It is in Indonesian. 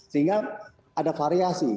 sehingga ada variasi